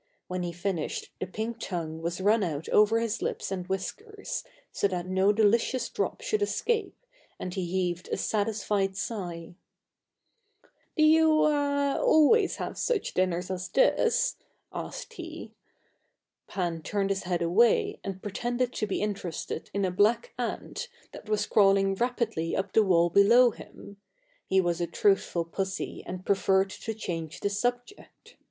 When he finished the pink tongue was run out over his lips and whiskers, so that no delicious drop should escape, and he heaved a satisfied sigh. "Do you ah always have such dinners as this?" asked he. Pan turned his head away and pretended to be interested in a black ant that was crawling rapidly up the wall below him; he was a truthful pussy and preferred to change the subject.